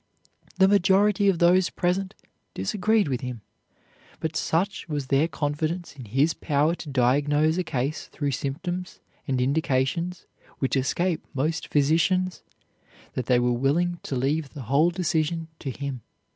The majority of those present disagreed with him, but such was their confidence in his power to diagnose a case through symptoms and indications which escape most physicians, that they were willing to leave the whole decision to him.